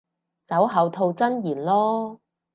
酒後吐真言囉